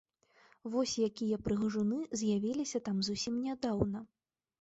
Вось якія прыгажуны з'явіліся там зусім нядаўна!